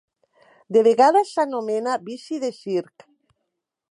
De vegades s'anomena "bici de circ".